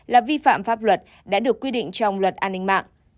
là vi phạm pháp luật đã được quy định trong luật an ninh mạng